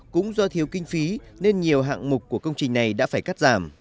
cũng do thiếu kinh phí nên nhiều hạng mục của công trình này đã phải cắt giảm